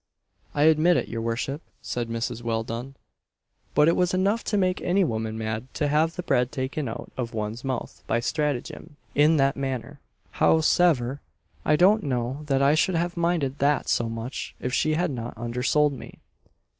"I admit it, your worship," said Mrs. Welldone, "but it was enough to make any woman mad to have the bread taken out of one's mouth by stratygim in that manner. Howsever, I don't know that I should have minded that so much if she had not undersold me."